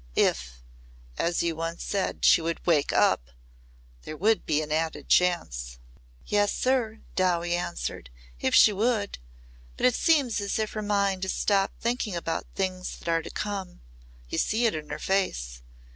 If as you said once she would 'wake up' there would be an added chance." "Yes, sir," Dowie answered. "If she would. But it seems as if her mind has stopped thinking about things that are to come. You see it in her face.